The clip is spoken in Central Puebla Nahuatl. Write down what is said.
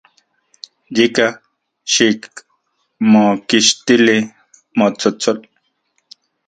Yika, xikmokixtili motsotsol.